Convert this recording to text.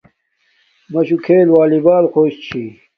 مَشُݸ کھݵل وݳلݵبݳل خݸش چھݵ.